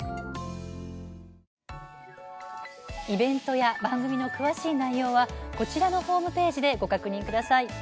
イベントや番組の詳しい内容はこちらのホームページでご確認ください。